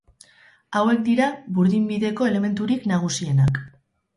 Hauek dira burdinbideko elementurik nagusienak.